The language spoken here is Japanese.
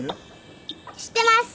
知ってます。